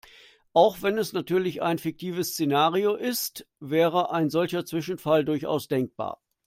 Auch wenn es natürlich ein fiktives Szenario ist, wäre ein solcher Zwischenfall durchaus denkbar.